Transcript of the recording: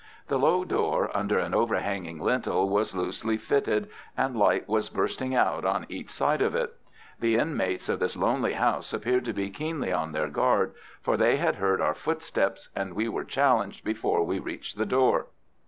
The low door under an overhanging lintel was loosely fitted, and light was bursting out on each side of it. The inmates of this lonely house appeared to be keenly on their guard, for they had heard our footsteps, and we were challenged before we reached the door.